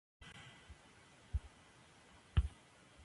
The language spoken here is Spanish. El traje resulta ser robado y Frankie va a prisión.